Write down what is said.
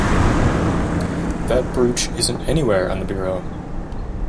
That brooch isn’t anywhere on the bureau.